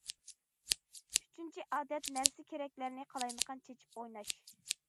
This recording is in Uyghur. ئۈچىنچى ئادەت: نەرسە- كېرەكلەرنى قالايمىقان چېچىپ ئويناش.